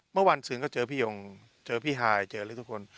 เมื่อวันสืนก็เจอพี่ยงเจอพี่หายเจอทุกคน